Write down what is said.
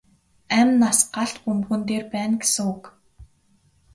Амь нас галт бөмбөгөн дээр байна гэсэн үг.